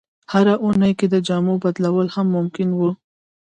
هره اونۍ کې د جامو بدلول هم ممکن وو.